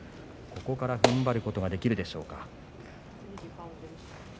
ここから、ふんばることができるでしょうか。